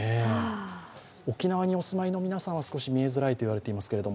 沖縄にお住まいの皆さんは、少し見えづらい言われていますけど、